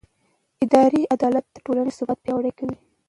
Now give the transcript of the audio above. اداري عدالت د ټولنې ثبات پیاوړی کوي.